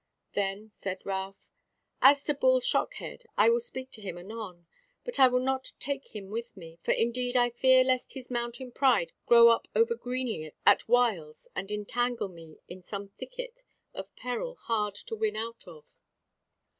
Then said Ralph: "As to Bull Shockhead, I will speak to him anon; but I will not take him with me; for indeed I fear lest his mountain pride grow up over greenly at whiles and entangle me in some thicket of peril hard to win out of."